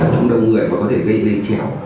trong đông người và có thể gây lên trèo